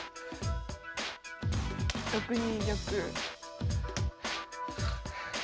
６二玉。